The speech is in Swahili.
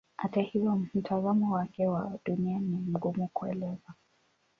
Hata hivyo mtazamo wake wa Dunia ni mgumu kuelezea.